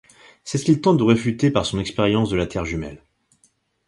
C'est ce qu'il tente de réfuter par son expérience de la Terre jumelle.